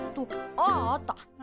あああった！